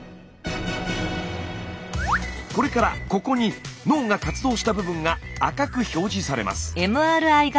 これからここに脳が活動した部分が赤く表示されます。